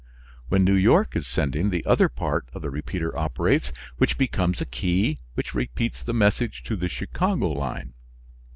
When New York is sending the other part of the repeater operates, which becomes a key which repeats the message to the Chicago line.